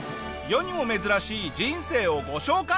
世にも珍しい人生をご紹介！